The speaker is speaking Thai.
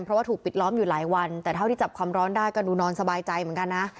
เพราะว่าถูกปิดล้อมอยู่หลายวันแต่เท่าที่จับความร้อนได้ก็ดูนอนสบายใจเหมือนกันนะ